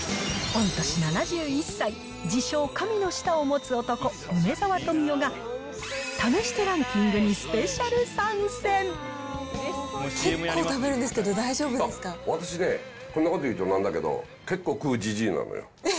御年７１歳、自称神の舌を持つ男、梅沢富美男が、試してランキングにスペシャ結構食べるんですけど、大丈あっ、私ね、こんなこと言うとなんだけど、結構食うじじいなのよ。